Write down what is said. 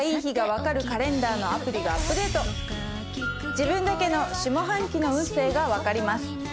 自分だけの下半期の運勢が分かります。